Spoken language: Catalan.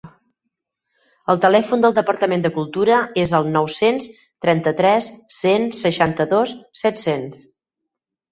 El telèfon del Departament de Cultura és el nou-cents trenta-tres cent seixanta-dos set-cents.